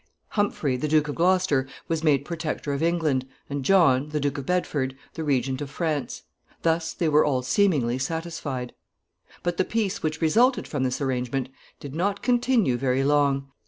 Humphrey, the Duke of Gloucester, was made Protector of England, and John, the Duke of Bedford, the Regent of France. Thus they were all seemingly satisfied. [Sidenote: Quarrels.] [Sidenote: Beaufort and Gloucester.] But the peace which resulted from this arrangement did not continue very long.